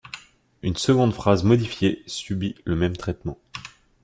Une seconde phrase modifiée subit le même traitement.